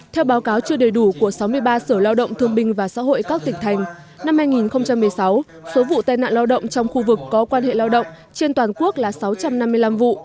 theo báo cáo chưa đầy đủ của sáu mươi ba sở lao động thương bình và xã hội các tỉnh thành năm hai nghìn một mươi sáu số vụ tai nạn lao động trong khu vực có quan hệ lao động trên toàn quốc là sáu trăm năm mươi năm vụ